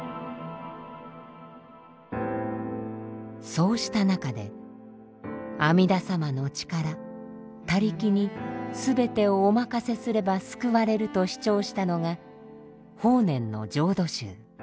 そうした中で阿弥陀様の力「他力」に全てをお任せすれば救われると主張したのが法然の浄土宗その弟子親鸞の浄土真宗です。